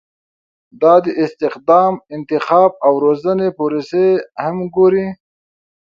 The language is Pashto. دا د استخدام، انتخاب او روزنې پروسې هم ګوري.